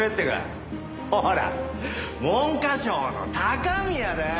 ほら文科省の高宮だよ！